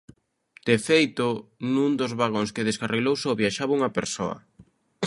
De feito, nun dos vagóns que descarrilou só viaxaba unha persoa.